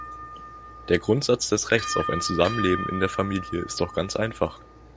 Der Grundsatz des Rechts auf ein Zusammenleben in der Familie ist doch ganz einfach.